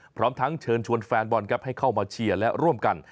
พร้อมทั้งเชิญชวนแฟนบอลครับให้เข้ามาเชียร์และร่วมกัน